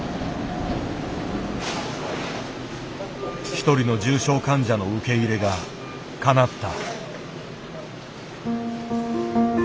１人の重症患者の受け入れがかなった。